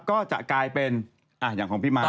ก็จะกลายเป็นอย่างของพี่ม้า